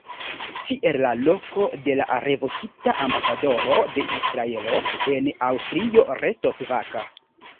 Tial la loko de la revokita ambasadoro de Israelo en Aŭstrio restos vaka.